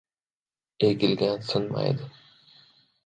• Egilgan sinmaydi.